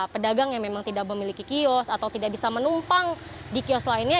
pedagang yang memang tidak memiliki kios atau tidak bisa menumpang di kios lainnya